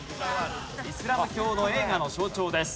イスラム教の栄華の象徴です。